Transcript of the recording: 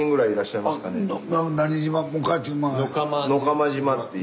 野釜島っていう。